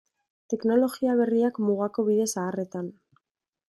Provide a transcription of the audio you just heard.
Teknologia berriak mugako bide zaharretan.